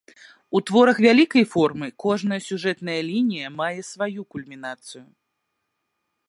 У творах вялікай формы кожная сюжэтная лінія мае сваю кульмінацыю.